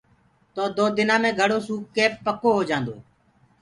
تو دو دن مي گھڙو سوڪ ڪآ توڙو پڪو هوجآندو هآ۔